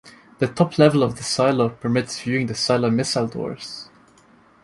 The top level of the silo permits viewing the silo missile doors.